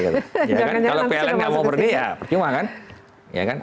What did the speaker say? kalau pln gak mau beli ya percuma kan